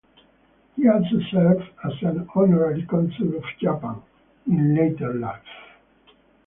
He also served as an honorary consul of Japan in later life.